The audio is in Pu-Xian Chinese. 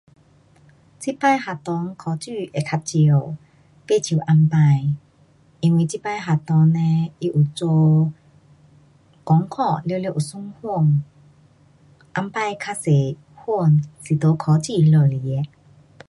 这次学堂考书会较少，不像以前，因为这次学堂嘞它有做功课，全部有算分，以前很多分是从考书那里来的。